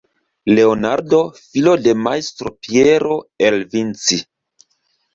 Leonardo, filo de majstro Piero, el Vinci.